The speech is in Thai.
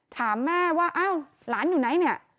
ถามแม่ว่าอ้าวหลานอยู่ไหนเนี่ย